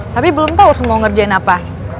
tapi belum tau harus mau ngerjain apa